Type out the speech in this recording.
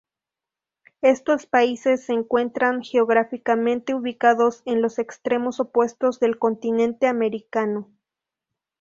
Estos países se encuentran geográficamente ubicados en los extremos opuestos del continente americano.